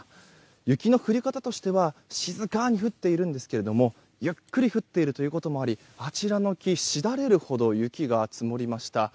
雪の降り方としては静かに降っているんですがゆっくり降っているということもあり、あちらの木しだれるほど雪が積もりました。